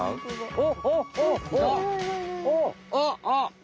あっ！